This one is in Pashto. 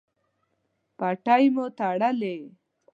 پټۍ مو تړلی؟